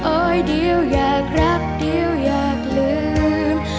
โอ๊ยเดียวอยากรักเดียวอยากลืม